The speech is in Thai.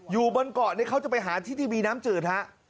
อยู่บนเกาะนี่เขาจะไปหาที่ที่มีน้ำจืดฮะ